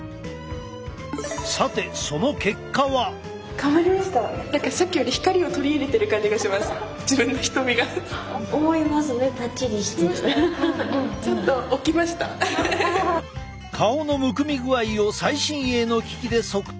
さてその顔のむくみ具合を最新鋭の機器で測定。